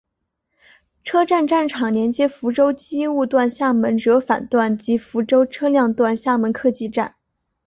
车站站场连接福州机务段厦门折返段及福州车辆段厦门客技站。